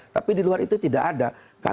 tapi di luar itu tidak ada